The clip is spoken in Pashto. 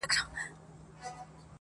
او هم یې مقام لوړوي